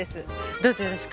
どうぞよろしく。